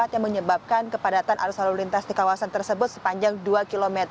yang menyebabkan kepadatan arus lalu lintas di kawasan tersebut sepanjang dua km